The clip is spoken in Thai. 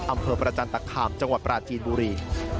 อำเภอประจันตคามจังหวัดปราจีนบุรี